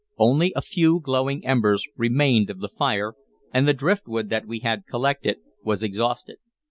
Only a few glowing embers remained of the fire, and the driftwood that we had collected was exhausted.